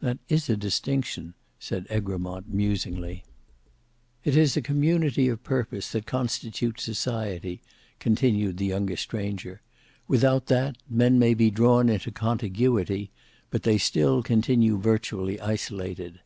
"That is a distinction," said Egremont, musingly. "It is a community of purpose that constitutes society," continued the younger stranger; "without that, men may be drawn into contiguity, but they still continue virtually isolated."